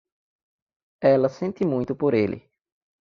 Ela sente muito por ele.